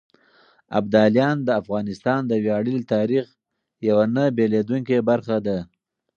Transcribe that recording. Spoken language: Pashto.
ابداليان د افغانستان د وياړلي تاريخ يوه نه بېلېدونکې برخه ده.